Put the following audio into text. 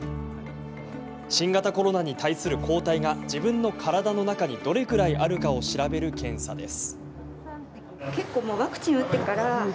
新型コロナに対する抗体が自分の体の中にどれぐらいあるかを調べる検査です。